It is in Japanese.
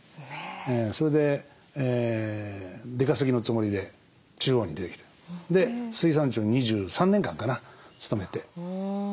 それで出稼ぎのつもりで中央に出てきてで水産庁に２３年間かな勤めて。